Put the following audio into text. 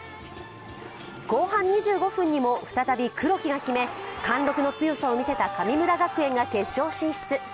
後半２５分にも再び黒木が決め、貫禄の強さを見せた神村学園が決勝進出。